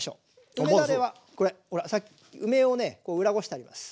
梅だれはこれさっき梅をね裏ごしてあります。